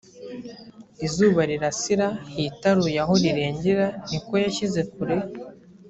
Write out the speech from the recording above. izuba rirasira hitaruye aho rirengera ni ko yashyize kure